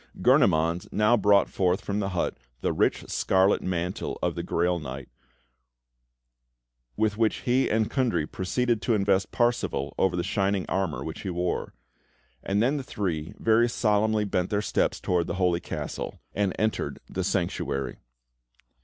Gurnemanz now brought forth from the hut the rich scarlet mantle of the Grail Knight, with which he and Kundry proceeded to invest Parsifal over the shining armour which he wore; and then the three very solemnly bent their steps towards the holy castle and entered the Sanctuary.